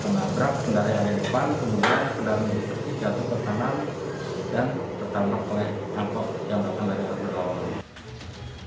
menabrak kendaraan yang depan kemudian kendaraan yang depan jatuh ke kanan dan tertambah oleh angkut yang berkendaraan berlawanan